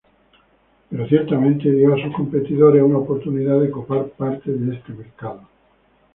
Pero ciertamente dio a sus competidores una oportunidad de copar parte de este mercado.